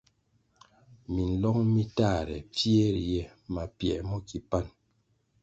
Minlong mi tahre, mpfie ri ye mapiē mo ki pan.